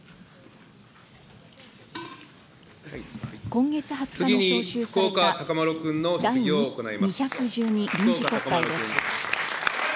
今月２０日に召集された第２１２臨時国会です。